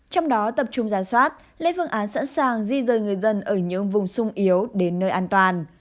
trong đó tập trung giả soát lên phương án sẵn sàng di rời người dân ở những vùng sung yếu đến nơi an toàn